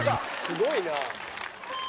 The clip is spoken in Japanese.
「すごいな」